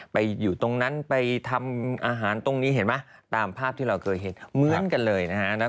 ไปอยู่ตรงนั้นไปทำอาหารตรงนี้เห็นไหมตามภาพที่เราเคยเห็นเหมือนกันเลยนะฮะ